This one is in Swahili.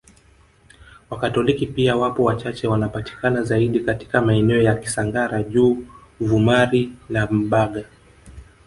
Wakatoliki pia wapo wachache wanapatikana zaidi katika maeneo ya Kisangara juu Vumari na Mbaga